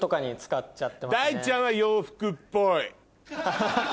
大ちゃんは洋服っぽい。